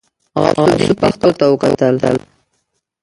غوث الدين پښو ته وکتل.